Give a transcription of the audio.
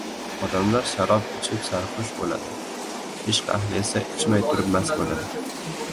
• Odamlar sharob ichib sarxush bo‘ladi. Ishq ahli esa ichmay turib mast bo‘ladi.